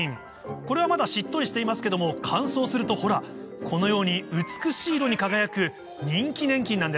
これはまだしっとりしていますけども乾燥するとほらこのように美しい色に輝く人気粘菌なんです